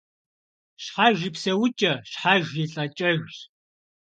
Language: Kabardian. Щхьэж и псэукӏэ щхьэж и лӏэкӏэжщ.